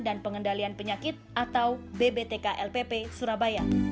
dan pengendalian penyakit atau bbtk lpp surabaya